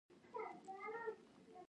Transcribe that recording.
د ډېرې ګڼې ګوڼې له امله.